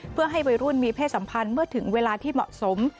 เพื่อให้วัยรุ่นมีเพศสัมพันธ์เมื่อถึงเวลาที่เหมาะสม